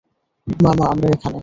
মা, মা, আমরা এখানে!